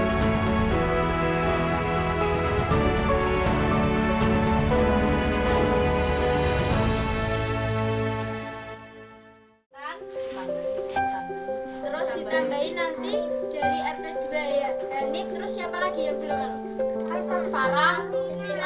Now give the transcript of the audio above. terus ditambahin nanti